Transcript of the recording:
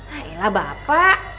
nah iya lah bapak